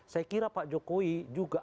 saya kira pak jokowi juga